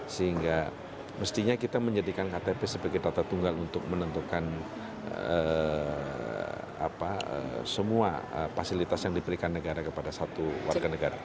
sehingga mestinya kita menjadikan ktp sebagai tata tunggal untuk menentukan semua fasilitas yang diberikan negara kepada satu warga negara